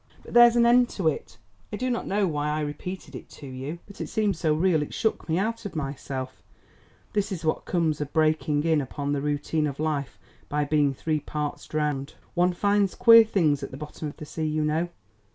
But there's an end of it. I do not know why I repeated it to you. I am sorry that I did repeat it, but it seemed so real it shook me out of myself. This is what comes of breaking in upon the routine of life by being three parts drowned. One finds queer things at the bottom of the sea, you know.